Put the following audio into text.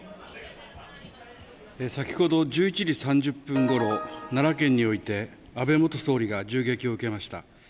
先ほど１１時３０分頃、奈良県において安倍元総理が銃撃を受けました。